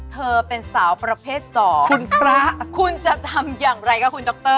เธอเป็นสาวประเภทสองคุณจะทำอย่างไรค่ะคุณดรเอ่อ